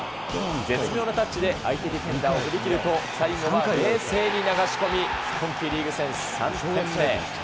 絶妙なタッチで、相手ディフェンダーを振り切ると、最後は冷静に流し込み、今季リーグ戦３点目。